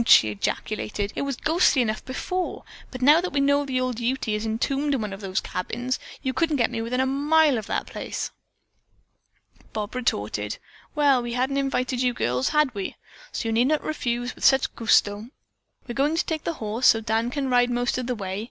she ejaculated. "It was ghostly enough before, but now that we know that old Ute is entombed in one of those cabins, you couldn't get me within a mile of the place." Bob retorted: "Well, we hadn't invited you girls, had we? So you need not refuse with such gusto! We're going to take the horse, so that Dan can ride most of the way."